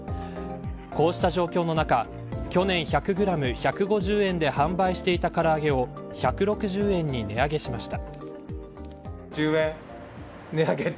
こうした状況の中去年１００グラム１５０円で販売していたからあげを１６０円に値上げしました。